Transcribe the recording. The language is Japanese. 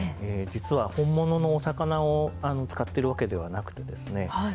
実は本物のお魚を使ってるわけではなくてですね